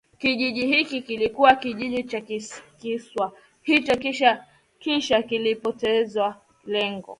Kijiji hiki kilikuwa kijiji cha kisiwa hicho kisha kilipoteza lengo